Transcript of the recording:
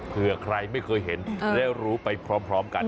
เพื่อใครไม่เคยเห็นและรู้ไปพร้อมกัน